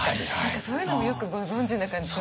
そういうのもよくご存じな感じしますよね。